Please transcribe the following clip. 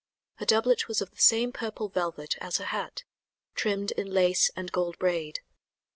Her doublet was of the same purple velvet as her hat, trimmed in lace and gold braid.